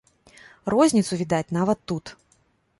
Розніцу відаць нават тут.